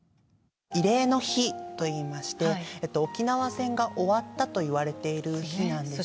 慰霊の日といいまして沖縄戦が終わったといわれる日なんですね。